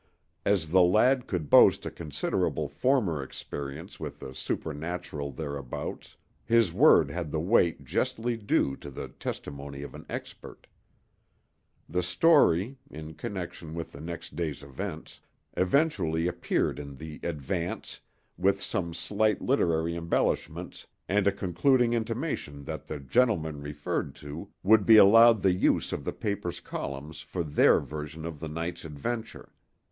As the lad could boast a considerable former experience with the supernatural thereabouts his word had the weight justly due to the testimony of an expert. The story (in connection with the next day's events) eventually appeared in the Advance, with some slight literary embellishments and a concluding intimation that the gentlemen referred to would be allowed the use of the paper's columns for their version of the night's adventure.